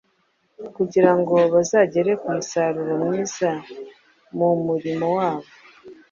Kugira ngo bazagere ku musaruro mwiza mu murimo wabo,